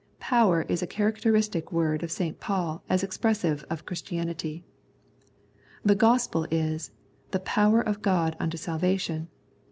Power is a characteristic word of St. Paul as expressive of Christianity. The Gospel is " the power of God unto sal vation " (Rom.